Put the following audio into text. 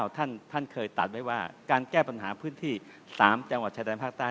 ท่านเคยตัดไว้ว่าการแก้ปัญหาพื้นที่๓จังหวัดชายแดนภาคใต้